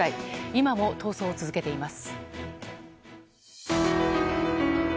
今も逃走を続けています。